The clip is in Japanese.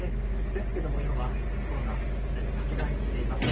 ですけれども、今はコロナ、拡大しています。